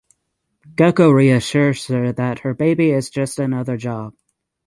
Gekko reassures her that her baby is just another job.